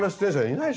いない。